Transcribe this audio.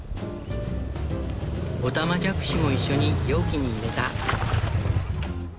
オタマジャクシもいっしょに容器に入れた。